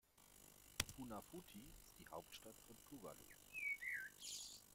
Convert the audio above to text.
Funafuti ist die Hauptstadt von Tuvalu.